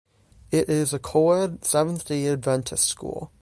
It is a coed Seventh Day Adventist school.